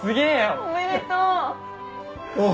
おめでとう！